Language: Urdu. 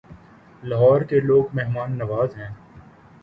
لاہور کے لوگ مہمان نواز ہیں